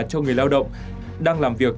cho người lao động đang làm việc